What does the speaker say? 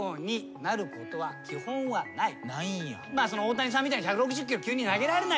大谷さんみたいに１６０キロ急に投げられないよと。